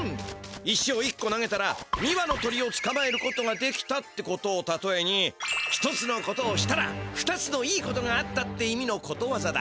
石を１こ投げたら２羽の鳥をつかまえることができたってことをたとえに１つのことをしたら２つのいいことがあったって意味のことわざだ。